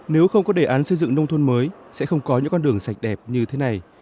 nếu không có đề án xây dựng nông thôn mới sẽ không có những con đường sạch đẹp như thế này